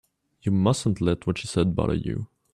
You mustn't let what she said bother you.